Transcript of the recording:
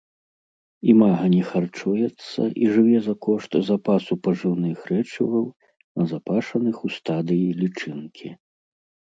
Імага не харчуецца і жыве за кошт запасу пажыўных рэчываў, назапашаных у стадыі лічынкі.